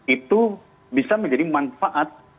itu bisa menjadi manfaat